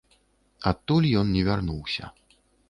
Адтуль ён не вярнуўся.